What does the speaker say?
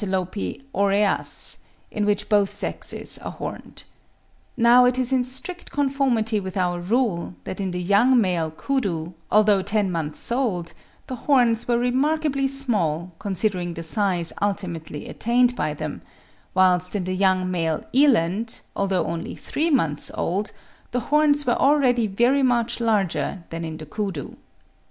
oreas), in which both sexes are horned. Now it is in strict conformity with our rule, that in the young male koodoo, although ten months old, the horns were remarkably small, considering the size ultimately attained by them; whilst in the young male eland, although only three months old, the horns were already very much larger than in the koodoo.